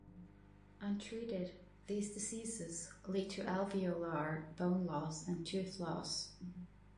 Untreated, these diseases lead to alveolar bone loss and tooth loss.